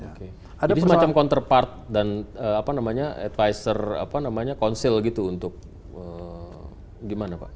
jadi semacam counterpart dan advisor apa namanya konsel gitu untuk gimana pak